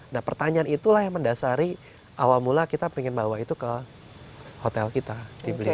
nah pertanyaan itulah yang mendasari awal mula kita ingin bawa itu ke hotel kita di blitar